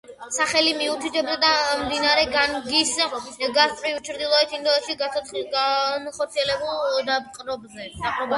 სახელი მიუთითებდა მდინარე განგის გასწვრივ, ჩრდილოეთ ინდოეთში განხორციელებულ დაპყრობებზე.